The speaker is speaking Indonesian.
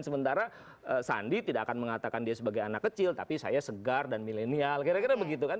sementara sandi tidak akan mengatakan dia sebagai anak kecil tapi saya segar dan milenial kira kira begitu kan